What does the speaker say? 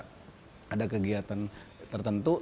yang tadinya mereka tidak ada kegiatan tertentu